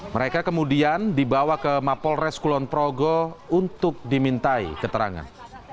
mereka kemudian dibawa ke rumah polres kulonprogo untuk dimintai keterangan